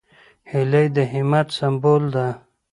هیلۍ د همت سمبول ده